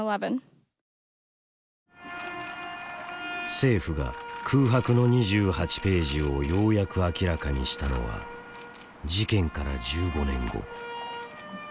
政府が「空白の２８ページ」をようやく明らかにしたのは事件から１５年後。